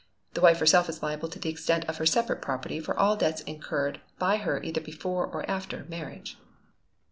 The wife herself is liable to the extent of her separate property for all debts incurred by her either before or after marriage.